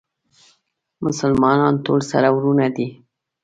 مسلمانان ټول سره وروڼه دي